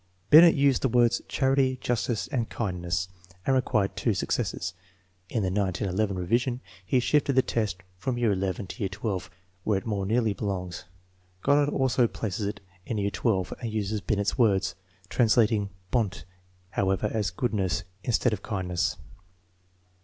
1 Binet used the words charity, justice, and kindness, and required two successes. In the 1911 revision he shifted the test from year XI to year XII, where it more nearly belongs. Goddard also places it in year XII and uses Binet's words, translating bonte, however, as goodness instead of kindness.